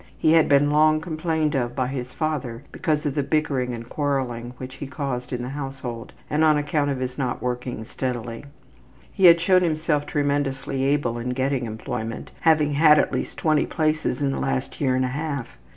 He had been long complained of by his father because of the bickering and quarreling which he caused in the household and on account of his not working steadily. He had shown himself tremendously able in getting employment, having had at least twenty places in the last year and a half.